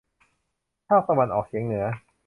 ภาคตะวันออกเฉียงเหนือ